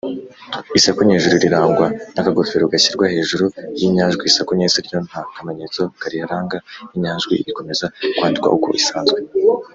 Isaku nyejuru rirangwa n’akagofero gashyirwa hejuru y’inyajwi. Isaku nyesi ryo nta kamenyetso kariranga, inyajwi ikomeza kwandikwa uko isanzwe.